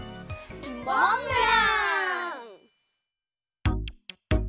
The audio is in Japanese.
モンブラン！